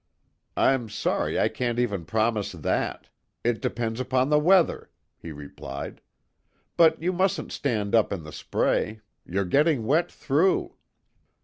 "I'm sorry I can't even promise that: it depends upon the weather," he replied. "But you mustn't stand up in the spray. You're getting wet through."